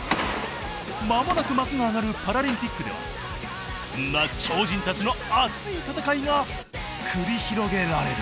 まもなく幕が上がるパラリンピックではそんな超人たちの熱い戦いが繰り広げられる。